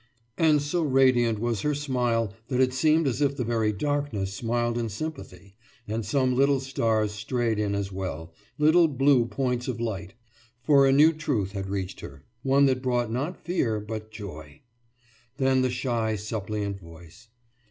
« And so radiant was her smile that it seemed as if the very darkness smiled in sympathy and some little stars strayed in as well, little blue points of light. For a new truth had reached her one that brought not fear, but joy. Then the shy suppliant voice.